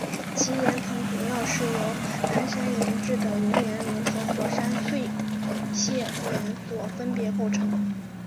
其岩层主要是由安山岩质的熔岩流和火山碎屑岩所分别构成。